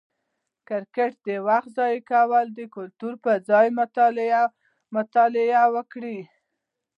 کرکټ وخت ضایع کوي، د کتلو پر ځای یې مطالعه وکړئ!